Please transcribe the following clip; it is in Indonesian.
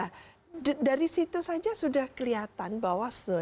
nah dari situ saja sudah kelihatan bahwa